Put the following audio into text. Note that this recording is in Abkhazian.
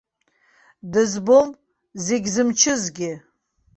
Дызбом зегь зымчызгьы.